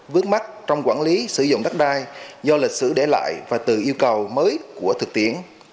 vướng mắt trong quản lý sử dụng đất đai do lịch sử để lại và từ yêu cầu mới của thực tiễn